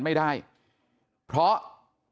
ไม่ได้เพราะ